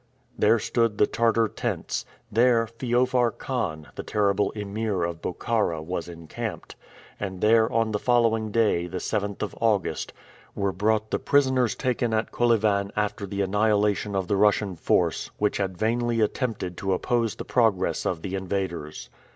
There stood the Tartar tents; there Feofar Khan, the terrible Emir of Bokhara, was encamped; and there on the following day, the 7th of August, were brought the prisoners taken at Kolyvan after the annihilation of the Russian force, which had vainly attempted to oppose the progress of the invaders.